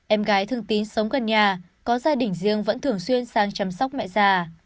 em gái thường tín sống gần nhà có gia đình riêng vẫn thường xuyên sang chăm sóc mẹ già